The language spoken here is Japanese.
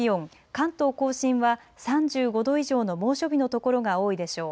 関東甲信は３５度以上の猛暑日の所が多いでしょう。